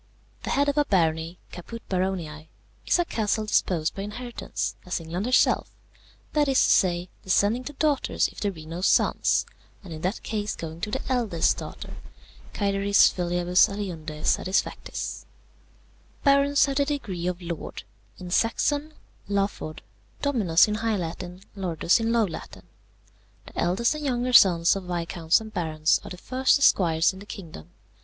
The head of a barony (Caput baroniæ) is a castle disposed by inheritance, as England herself, that is to say, descending to daughters if there be no sons, and in that case going to the eldest daughter, cæteris filiabus aliundè satisfactis. "Barons have the degree of lord: in Saxon, laford; dominus in high Latin; Lordus in low Latin. The eldest and younger sons of viscounts and barons are the first esquires in the kingdom.